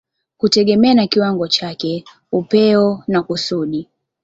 kutegemea na kiwango chake, upeo na kusudi.